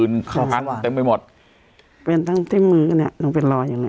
เข้าพันเต็มไปหมดเป็นทั้งที่มือเนี้ยต้องเป็นรอยอย่างเนี้ย